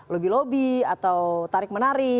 lobi lobi atau tarik menarik